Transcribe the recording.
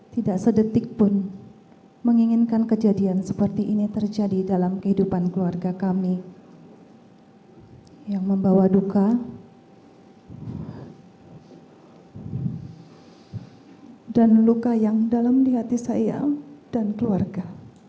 tidak sedetik pun menginginkan kejadian seperti ini terjadi dalam kehidupan keluarga kami yang membawa duka dan luka yang dalam di hati saya dan keluarga